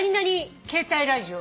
携帯ラジオ。